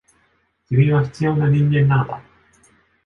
君は必要な人間なのだ。